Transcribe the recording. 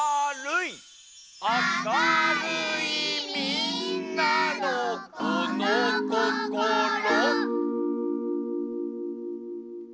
明るいみんなのこのこころ。